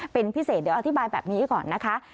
เป็นพิเศษเดี๋ยวอธิบายแบบนี้ก่อนนะคะ